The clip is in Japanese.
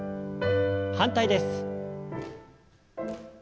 反対です。